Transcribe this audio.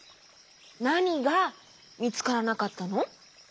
なにがみつからなかったの？